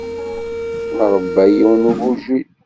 Nṛebba yiwen n ugujil.